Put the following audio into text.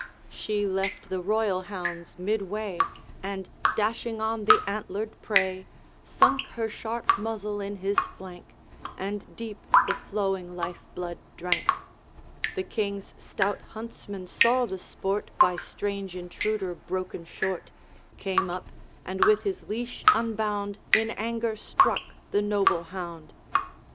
She left the royal hounds midway, And dashing on the antlered prey, Sunk her sharp muzzle in his flank, And deep the flowing life blood drank. The King's stout huntsman saw the sport By strange intruder broken short, Came up, and with his leash unbound In anger struck the noble hound.